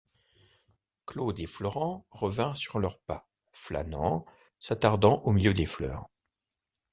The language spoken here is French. Claude et Florent revinrent sur leurs pas, flânant, s’attardant au milieu des fleurs.